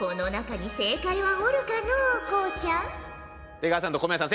出川さんと小宮さん